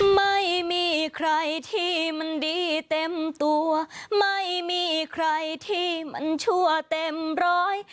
ไม่มีใครที่มันดีเต็มตัวไม่มีใครที่มันชั่วเต็มร้อย